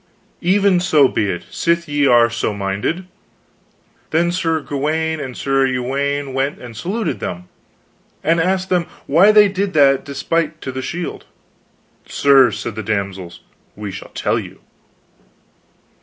"Even so be it, sith ye are so minded. Then Sir Gawaine and Sir Uwaine went and saluted them, and asked them why they did that despite to the shield. Sirs, said the damsels, we shall tell you.